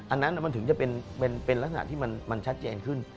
อันนั้นมันถึงจะเป็นลักษณะที่มันชัดเจนขึ้น